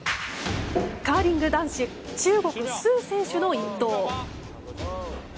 カーリング男子中国スウ選手との１投。